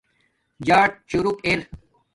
جݳٹ چݸک ار